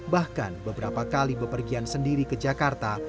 bahkan beberapa kali bepergian sendiri ke jakarta